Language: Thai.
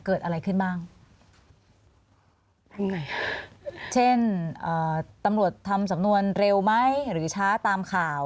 เกิดอะไรขึ้นบ้างเช่นตำรวจทำสำนวนเร็วไหมอย่างดีช้าตามข่าว